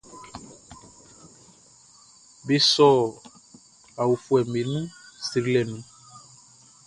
Be sɔ aofuɛʼm be nun srilɛ nun.